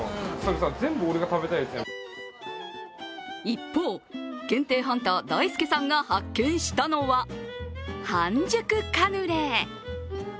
一方、限定ハンターだいすけさんが発見したのは半熟カヌレ。